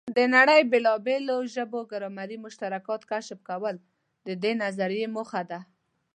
د نړۍ بېلابېلو ژبو ګرامري مشترکات کشف کول د دې نظریې موخه ده.